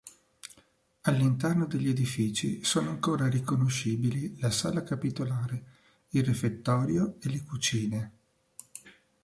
All'interno degli edifici sono ancora riconoscibili la sala capitolare, il refettorio e le cucine.